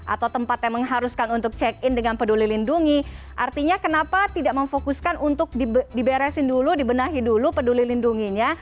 atau tempat yang mengharuskan untuk check in dengan peduli lindungi artinya kenapa tidak memfokuskan untuk diberesin dulu dibenahi dulu peduli lindunginya